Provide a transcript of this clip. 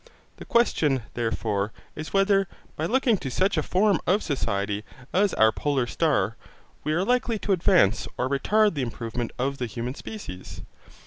The question, therefore, is whether, by looking to such a form of society as our polar star, we are likely to advance or retard the improvement of the human species?